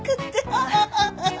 アハハハハ！